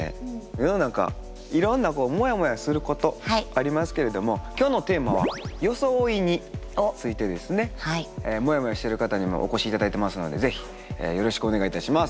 世の中いろんなもやもやすることありますけれども今日のテーマは「よそおい」についてですねもやもやしてる方にもお越しいただいてますので是非よろしくお願いいたします。